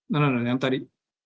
tidak tidak yang tadi